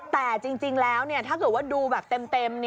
แต่จริงแล้วถ้าเกิดว่าดูแบบเต็ม